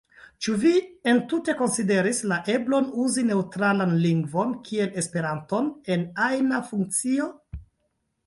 Ĉu vi entute konsideris la eblon uzi neŭtralan lingvon, kiel Esperanton, en ajna funkcio?